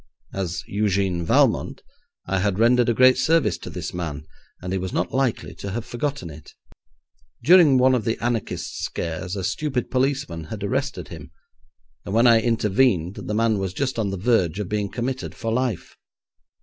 As Eugène Valmont, I had rendered a great service to this man, and he was not likely to have forgotten it. During one of the anarchist scares a stupid policeman had arrested him, and when I intervened the man was just on the verge of being committed for life.